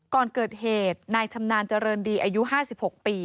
ก่อนเกิดเหตุนายชำนาญเจริญดีอายุ๕๖ปี